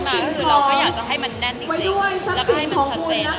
เดี๋ยวรอแป๊บนึง